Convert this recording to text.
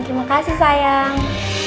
terima kasih sayang